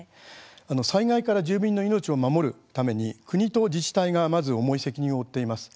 災害から住民の命を守るために、国と自治体がまず重い責任を負っています。